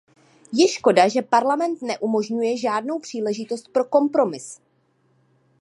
Je škoda, že Parlament neumožňuje žádnou příležitost pro kompromis.